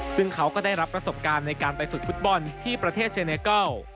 ซึ่งเขาก็ได้รับประสบการณ์ในการไปฝึกฟุตบอลที่ประเทศเซเนเกิล